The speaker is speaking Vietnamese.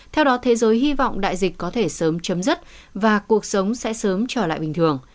theo đó thế giới hy vọng đại dịch có thể sớm chấm dứt và cuộc sống sẽ sớm trở lại bình thường